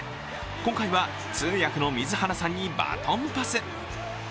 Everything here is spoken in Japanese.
今回は通訳の水原さんにバトンパス。